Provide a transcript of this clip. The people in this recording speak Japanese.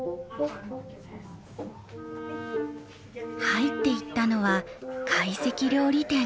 入っていったのは会席料理店。